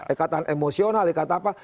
ekatan emosional ekatan apa